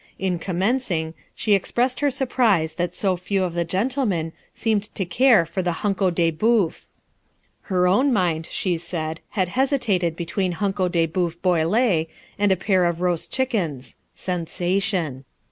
In commencing, she expressed her surprise that so few of the gentlemen seemed to care for the hunko de bœuf; her own mind, she said, had hesitated between hunko de bœuf boilé and a pair of roast chickens (sensation).